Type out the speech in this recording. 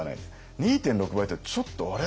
２．６倍だとちょっと「あれ？」